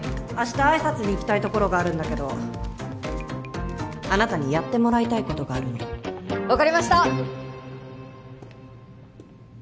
明日挨拶に行きたいところがあるんだけどあなたにやってもらいたいことがあるの分かりました